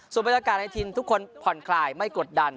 ส่วนบริษัทการณ์ในทินทุกคนพรขลายไม่กดดัน